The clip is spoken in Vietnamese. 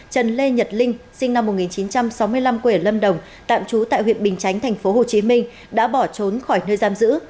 trần lê nhật linh sinh năm một nghìn chín trăm sáu mươi năm quê ở lâm đồng tạm trú tại huyện bình chánh tp hcm đã bỏ trốn khỏi nơi giam giữ